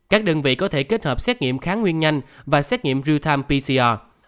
các đơn vị có thể kết hợp xét nghiệm kháng nguyên nhanh và xét nghiệm real time pcr